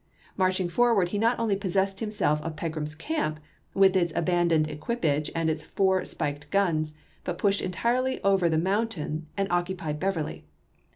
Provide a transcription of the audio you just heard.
March ing forward he not only possessed himself of Pe gram's camp, with its abandoned equipage and its four spiked guns, but pushed entirely over the mountain and occupied Beverly.